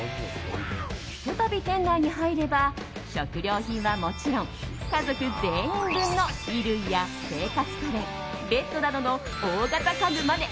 ひと度、店内に入れば食料品はもちろん家族全員分の衣類や生活家電ベッドなどの大型家具まで。